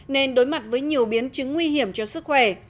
nên đối mặt với nhiều biến chứng nguy hiểm cho sức khỏe